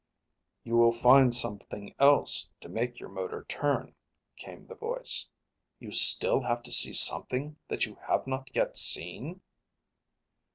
"You will find something else to make your motor turn," came the voice. "You still have to see something that you have not yet seen?"